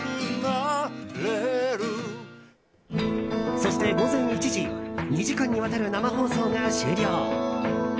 そして午前１時２時間にわたる生放送が終了。